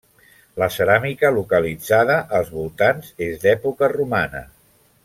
La ceràmica localitzada als voltants és d'època romana.